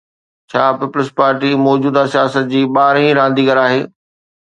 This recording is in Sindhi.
ڇا پيپلز پارٽي موجوده سياست جي ٻارهين رانديگر آهي؟